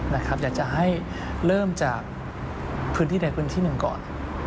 อยากจะให้เริ่มจากพื้นที่ใดพื้นที่หนึ่งก่อน